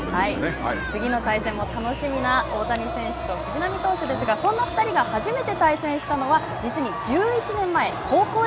次の対戦も楽しみな大谷選手と藤浪投手ですが、そんな２人が初めて対戦したのは実に１１年前。